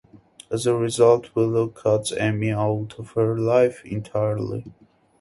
As a result, Willow cuts Amy out of her life entirely.